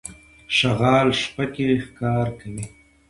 شغال شپه کې ښکار کوي.